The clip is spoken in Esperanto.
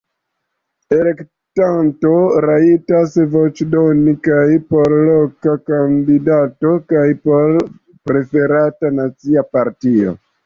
Elektanto rajtas voĉdoni kaj por loka kandidato kaj por preferata nacia partio.